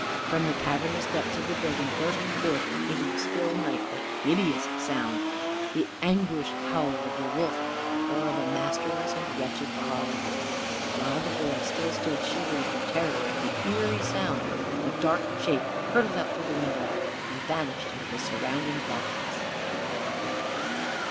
From the cavernous depths of the building burst forth into the still night a hideous sound the anguish howl of a wolf or of a masterless and wretched collie. While the boy still stood shivering in terror at the eerie sound, a dark shape hurtled out through the window and vanished into the surrounding blackness.